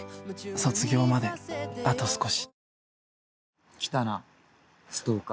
卒業まであと少し。